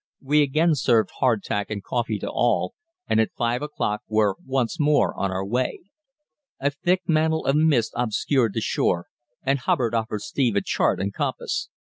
We again served hardtack and coffee to all, and at five o'clock were once more on our way. A thick mantle of mist obscured the shore, and Hubbard offered Steve a chart and compass.